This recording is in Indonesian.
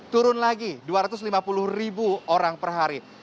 turun lagi dua ratus lima puluh ribu orang per hari